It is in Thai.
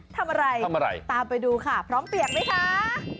ทำอะไรตามไปดูค่ะพร้อมเปียกไหมค่ะทำอะไร